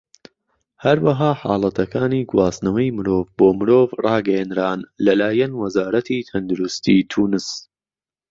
هەروەها، حاڵەتەکانی گواستنەوەی مرۆڤ بۆ مرۆڤ ڕاگەیەنران لەلایەن وەزارەتی تەندروستی تونس.